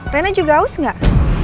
reina juga haus gak